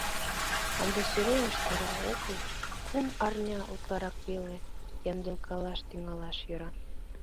Ынде Сӱремыш тора огыл, кум арня утларак веле, ямдылкалаш тӱҥалаш йӧра.